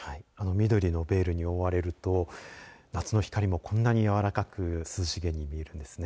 緑のベールに覆われると夏の光も、こんなにやわらかく涼しげに見えるんですね。